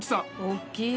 大きい！